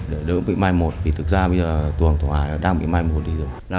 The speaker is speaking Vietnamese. để đỡ bị mai một vì thực ra bây giờ tuồng thổ hà đang bị mai một